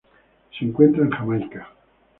Se encuentran en Jamaica.